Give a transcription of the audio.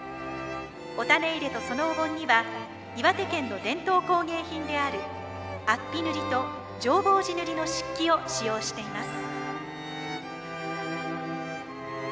お種入れとそのお盆には岩手県の伝統工芸品である安比塗と浄法寺塗の漆器を使用しています。